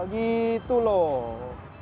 dan juga menjaga keamanan